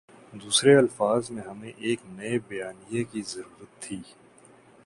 دوسرے الفاظ میں ہمیں ایک نئے بیانیے کی ضرورت تھی۔